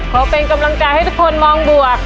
ขอเป็นกำลังใจให้ทุกคนมองบวก